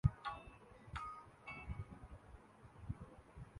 تاکہ وہ نئی کمپیوٹر ، لیپ ٹاپس اور ٹیبلٹس پر اسے انسٹال کر سکیں